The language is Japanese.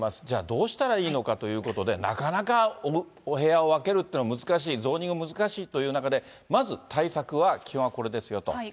じゃあ、どうしたらいいのかということで、なかなかお部屋を分けるというのも難しい、ゾーニングが難しいという中で、まず対策は、基本はこれですよと。